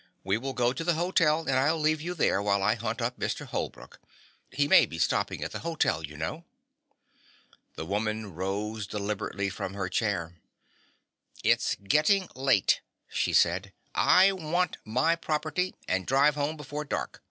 "We will go to the hotel, and I'll leave you there while I hunt up Mr. Holbrook. He may be stopping at the hotel, you know." The woman rose deliberately from her chair. "It's getting late," she said. "I want to get my property and drive home before dark.